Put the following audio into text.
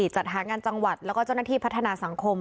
จัดหางานจังหวัดและเจ้าระทีพัฒนาสังคม